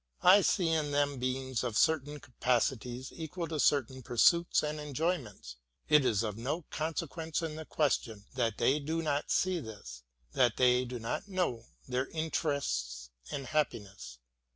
I see in them beings of certain capacities equal to certain pursuits and enjoyments. It is of no consequence in the question that they do not see this, that they do not know their interests and happiness.